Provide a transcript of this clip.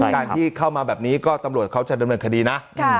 การที่เข้ามาแบบนี้ก็ตำรวจเขาจะดำเนินคดีนะ